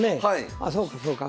あそうかそうか。